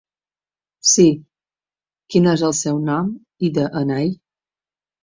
Sí, quin és el seu nom i de-ena-i?